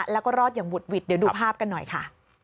แล้วก็รอดอย่างบุดหวิดเดี๋ยวดูภาพกันหน่อยค่ะ